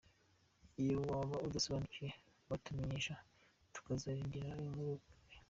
Iyo waba udasobanukiwe watumenyesha tukazayigenera inkuru ukwayo.